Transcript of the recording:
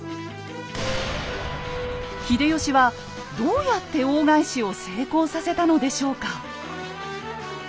秀吉はどうやって大返しを成功させたのでしょうか？